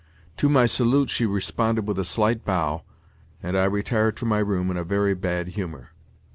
To my salute she responded with a slight bow, and I retired to my room in a very bad humour.